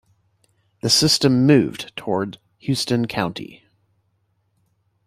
The system moved towards Houston County.